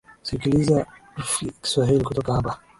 sikiliza rfi kiswahili kutoka hapa